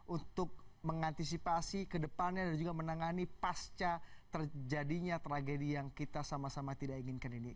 untuk mengantisipasi ke depannya dan juga menangani pasca terjadinya tragedi yang kita sama sama tidak inginkan ini